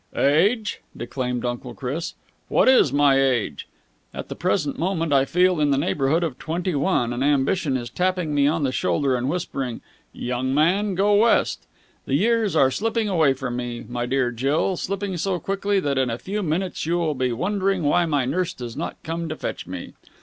"Age?" declaimed Uncle Chris. "What is my age? At the present moment I feel in the neighbourhood of twenty one, and Ambition is tapping me on the shoulder and whispering 'Young man, go West!' The years are slipping away from me, my dear Jill slipping so quickly that in a few minutes you will be wondering why my nurse does not come to fetch me.